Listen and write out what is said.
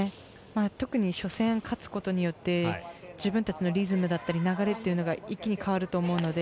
特に初戦を勝つことによって自分たちのリズムだったり流れというのが一気に変わると思うので。